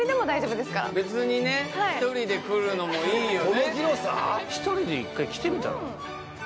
別にね、１人で来るのもいいよね。